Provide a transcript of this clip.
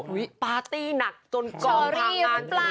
อุ้ยปาร์ตี้หนักจนกองพังงาน